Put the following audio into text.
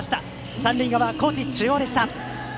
三塁側、高知中央でした。